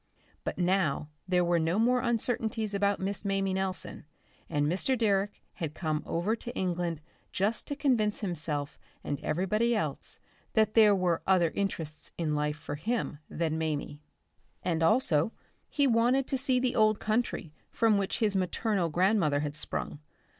But now there were no more uncertainties about Miss Mamie Nelson, and Mr. Direck had come over to England just to convince himself and everybody else that there were other interests in life for him than Mamie.... And also, he wanted to see the old country from which his maternal grandmother had sprung.